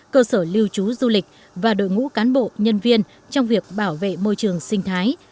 cơ sở lưu trú du lịch và đội ngũ cán bộ nhân viên trong việc bảo vệ môi trường sinh thái